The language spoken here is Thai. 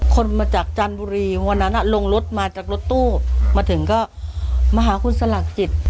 คนมาจากจันทบุรีวันนั้นลงรถมาจากรถตู้มาถึงก็มาหาคุณสลักจิต